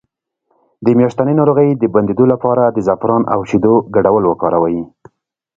د میاشتنۍ ناروغۍ د بندیدو لپاره د زعفران او شیدو ګډول وکاروئ